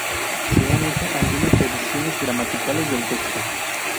Se han hecho algunas revisiones gramaticales del texto.